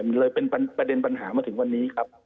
มันเลยเป็นประเด็นปัญหามาถึงวันนี้ครับ